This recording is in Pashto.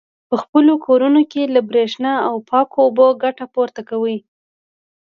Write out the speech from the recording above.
په خپلو کورونو کې له برېښنا او پاکو اوبو ګټه پورته کوي.